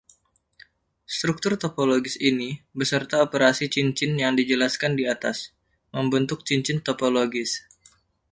Struktur topologis ini, beserta operasi cincin yang dijelaskan di atas, membentuk cincin topologis.